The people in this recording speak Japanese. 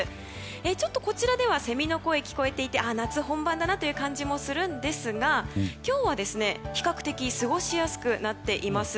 ちょっとこちらではセミの声が聞こえていて夏本番だなという感じもするんですが今日は比較的過ごしやすくなっています。